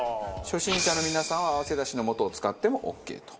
初心者の皆さんは合わせだしのもとを使ってもオーケーと。